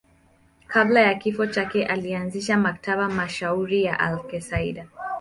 Kabla ya kifo chake alianzisha Maktaba mashuhuri ya Aleksandria.